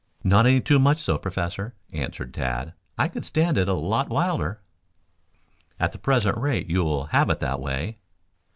"Not any too much so, Professor," answered Tad. "I could stand it a lot wilder." "At the present rate you will have it that way."